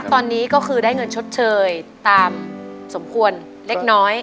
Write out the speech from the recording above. ตอนนี้ก็คือได้เงินชดเชยตามสมควรเล็กน้อย